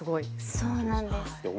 そうなんです。